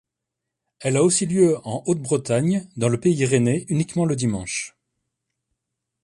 Elle a aussi lieu en Haute-Bretagne, dans le pays rennais uniquement le dimanche.